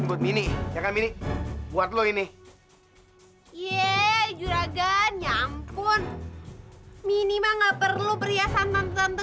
buat mini ya kan ini buat lo ini ye juragan nyampun minima nggak perlu perhiasan non tante